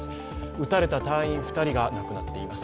撃たれた隊員２人が亡くなっています。